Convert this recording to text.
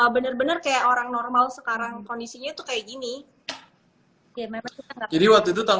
bener bener kayak orang normal sekarang